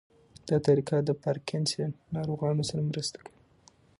دا طریقه د پارکینسن ناروغانو سره مرسته کوي.